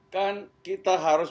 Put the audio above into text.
kan kita harus